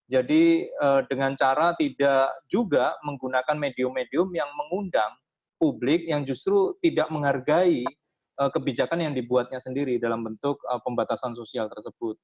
jadi dengan cara tidak juga menggunakan medium medium yang mengundang publik yang justru tidak menghargai kebijakan yang dibuatnya sendiri dalam bentuk pembatasan sosial tersebut